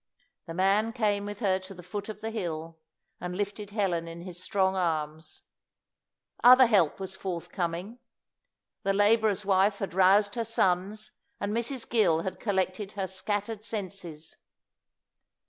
The man came with her to the foot of the hill, and lifted Helen in his strong arms. Other help was forthcoming. The labourer's wife had roused her sons, and Mrs. Gill had collected her scattered senses.